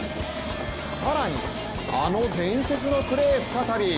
更に、あの伝説のプレー再び。